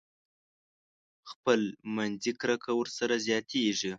خپل منځي کرکه ورسره زياتېږي.